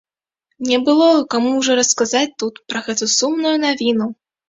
Не было каму ўжо расказаць тут пра гэтую сумную навіну.